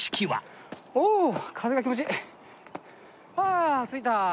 あ着いた。